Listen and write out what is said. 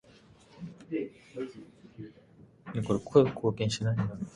オレゴン州の州都はセイラムである